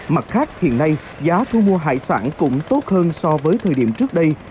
mặt khác hiện nay giá thu mua hải sản cũng tốt hơn so với thời điểm trước đây